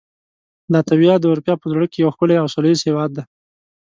لاتویا د اروپا په زړه کې یو ښکلی او سولهییز هېواد دی.